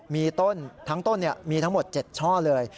มีต้นทั้งต้นมีทั้งหมด๗ช่อเลย